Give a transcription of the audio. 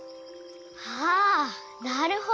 ああなるほど！